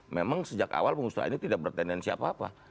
memang sejak awal pengusaha ini tidak bertendensi apa apa